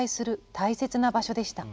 大切な場所でした。